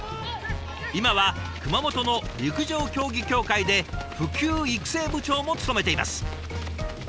今は熊本の陸上競技協会で普及育成部長も務めています。